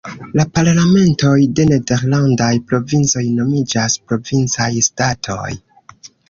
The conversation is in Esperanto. La parlamentoj de nederlandaj provincoj nomiĝas "Provincaj Statoj".